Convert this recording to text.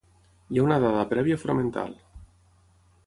Hi ha una dada prèvia fonamental.